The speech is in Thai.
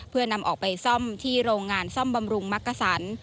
เพื่อนำออกไปซ่อมที่โรงงานซ่อมบำรุงมักกะสัน